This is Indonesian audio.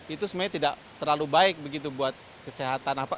itu sebenarnya tidak terlalu baik begitu buat kesehatan apa